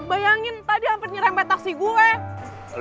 bayangin tadi hampir nyerempet taksi gue